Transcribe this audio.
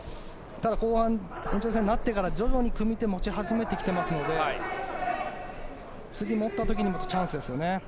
ただ、後半延長戦になってから徐々に組み手を持ち始めてきていますので次、持った時にチャンスですよね。